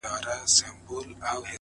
طبله؛ باجه؛ منگی؛ سیتار؛ رباب؛ ه یاره؛